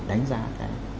đánh giá cái